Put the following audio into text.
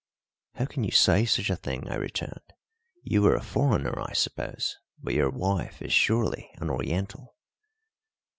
"How can you say such a thing," I returned. "You are a foreigner, I suppose, but your wife is surely an Oriental."